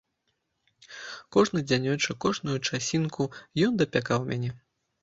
Кожны дзянёчак, кожную часінку ён дапякаў мяне.